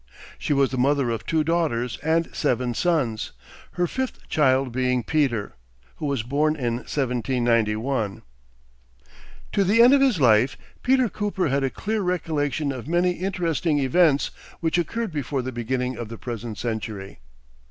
She was the mother of two daughters and seven sons, her fifth child being Peter, who was born in 1791. To the end of his life, Peter Cooper had a clear recollection of many interesting events which occurred before the beginning of the present century.